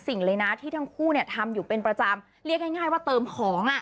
สิ่งเลยนะที่ทั้งคู่เนี่ยทำอยู่เป็นประจำเรียกง่ายว่าเติมของอ่ะ